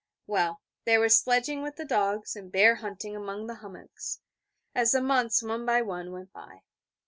Well, there was sledging with the dogs, and bear hunting among the hummocks, as the months, one by one, went by.